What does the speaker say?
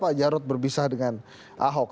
pak jarod berpisah dengan ahok